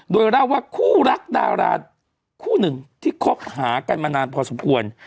โดยเล่าว่าคู่รักดาราคู่หนึ่งที่คบหากันมานานพอสมควร